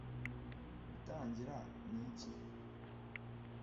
utagira n’iki